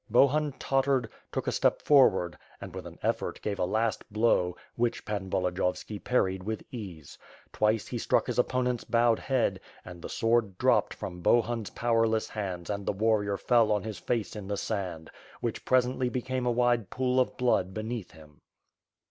Bohun tottered, took a step forward, and with an effort gave a last blow, which Pan Volodiyovski parried with ease. Twice, he struck his opponent's bowed head, and the sword dropped from Bohun's powerless hands and the warrior fell on his face in the sand, which presently became a wide pool of blood beneath him.